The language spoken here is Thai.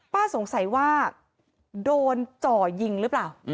ป้าสงสัยว่าโดนจ่อยิงหรือเปล่า